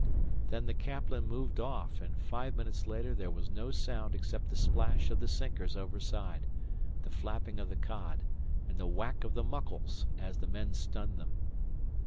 Then the caplin moved off, and five minutes later there was no sound except the splash of the sinkers overside, the flapping of the cod, and the whack of the muckles as the men stunned them.